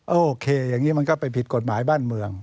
โอเคอย่างนี้มันก็ไปผิดกฎหมายบ้านเมือง